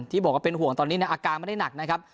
ที่บอกว่าเป็นห่วงตอนนี้อาการไม่ได้หนักนะครับ